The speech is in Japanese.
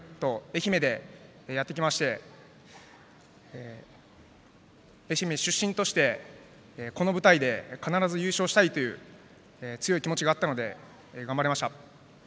愛媛出身としましてこの舞台で必ず優勝したいという強い気持ちがあったので頑張りました。